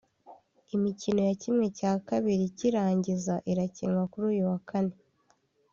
Imikino ya ½ cy’irangiza irakinwa kuri uyu wa kane